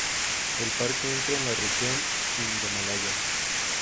El parque entra en la región indomalaya.